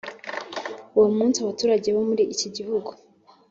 Uwo munsi abaturage bo muri iki gihugu